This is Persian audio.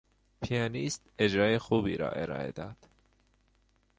پیانیست اجرای خوبی را ارائه داد.